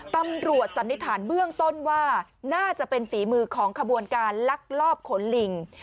สันนิษฐานเบื้องต้นว่าน่าจะเป็นฝีมือของขบวนการลักลอบขนลิง